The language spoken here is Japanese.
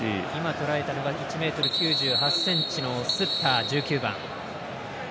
とらえていたのが１ｍ９８ｃｍスッター、１９番。